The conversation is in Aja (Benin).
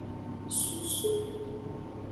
Susu.